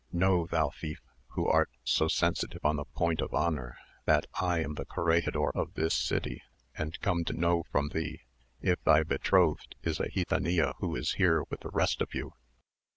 Know, thou thief, who art so sensitive on the point of honour, that I am the corregidor of this city, and come to know from thee if thy betrothed is a gitanilla who is here with the rest of you?"